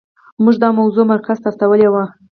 موږ دا موضوع مرکز ته استولې وه.